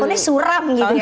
tahun ini suram gitu